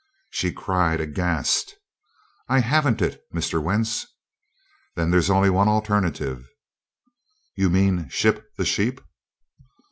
She cried aghast: "I haven't it, Mr. Wentz!" "Then there's only one alternative." "You mean ship the sheep?"